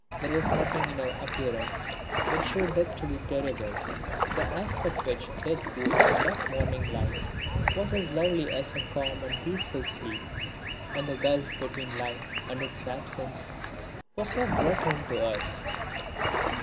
There was nothing in her appearance which showed death to be terrible. The aspect which death wore in that morning light was as lovely as a calm and peaceful sleep, and the gulf between life and its absence was not brought home to us.